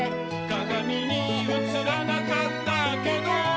「かがみにうつらなかったけど」